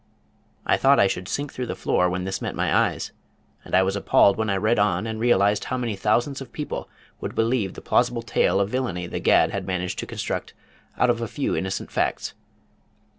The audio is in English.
I thought I should sink through the floor when this met my eyes, and I was appalled when I read on and realized how many thousands of people would believe the plausible tale of villany The Gad had managed to construct out of a few innocent facts.